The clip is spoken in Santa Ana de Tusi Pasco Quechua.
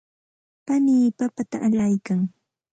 panii papata allaykan.